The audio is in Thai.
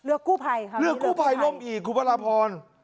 เหลือกู้ภัยครับนี่เหลือที่ใส่คุณพระพรเหลือกู้ภัยล่มอีก